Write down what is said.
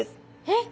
えっ。